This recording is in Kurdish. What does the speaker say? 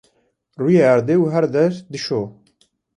rûyê erdê û her der dişo.